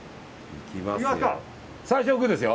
いきますよ。